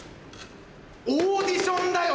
オーディションだよ！